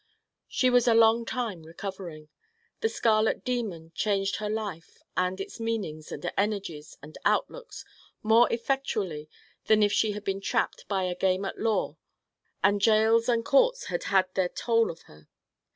She was a long time recovering. The scarlet demon changed her life and its meanings and energies and outlooks more effectually than if she had been trapped by a game at law and gaols and courts had had their toll of her.